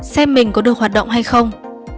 xem mình có được hoạt động hay không